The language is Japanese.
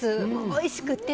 おいしくて。